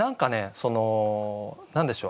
その何でしょう。